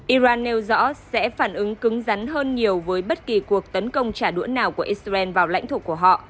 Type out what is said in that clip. iran nêu rõ sẽ phản ứng cứng rắn hơn nhiều với bất kỳ cuộc tấn công trả đũa nào của israel vào lãnh thổ của họ